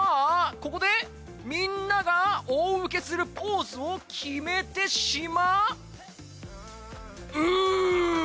ここでみんなが大ウケするポーズを決めてしまう！